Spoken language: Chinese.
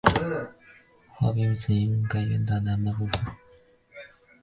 好园宾馆曾借用该院的南半部分。